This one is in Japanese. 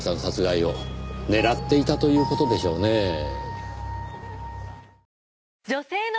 殺害を狙っていたという事でしょうねぇ。